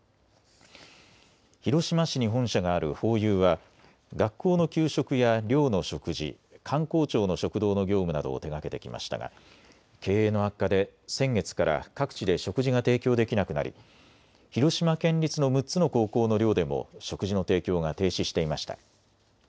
広島市に本社があるホーユーは学校の給食や寮の食事、官公庁の食堂の業務などを手がけてきましたが経営の悪化で先月から各地で食事が提供できなくなり広島県立の６つの高校の寮でも食事の提供が停止していました。